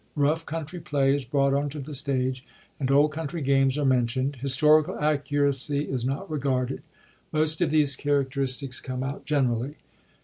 Rough country play is brought on to the stage, and old country games are mentiond. Historical accuracy is not regarded. Most of these characteristics come out generally.